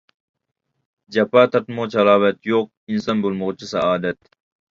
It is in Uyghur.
جاپا تارتمىغۇچە ھالاۋەت يوق، ئىنسان بولمىغۇچە سائادەت.